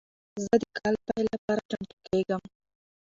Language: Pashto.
زه د کال پیل لپاره چمتو کیږم.